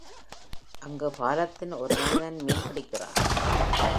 அங்கு பாலத்தில் ஒரு மனிதன் மீன்பிடிக்கிறான்.